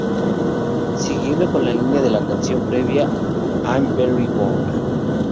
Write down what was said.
Siguiendo con la línea de la canción previa Am I Very Wrong?